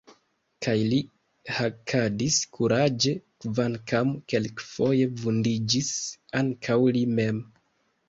Kaj li hakadis kuraĝe, kvankam kelkfoje vundiĝis ankaŭ li mem.